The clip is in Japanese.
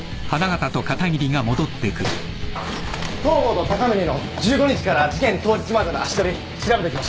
東郷と高峰の１５日から事件当日までの足取り調べてきました。